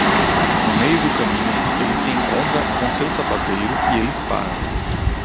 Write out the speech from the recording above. No meio do caminho, ele se encontra com seu sapateiro, e eles param.